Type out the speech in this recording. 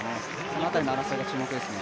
この辺りの争いが注目ですね。